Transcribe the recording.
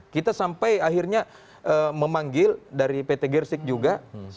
kita sampai akhirnya memanggil dari pt gersik juga